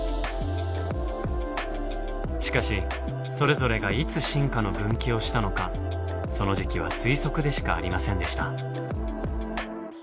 しかしそれぞれがいつ進化の分岐をしたのかその時期は推測でしかありませんでした。